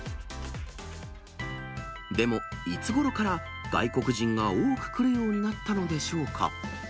でも、いつごろから外国人が多く来るようになったのでしょうか。